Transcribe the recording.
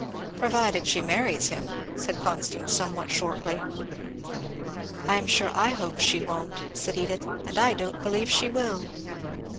"Provided she marries him," said Constance somewhat shortly. "I am sure I hope she won't," said Edith, "and I don't believe she will."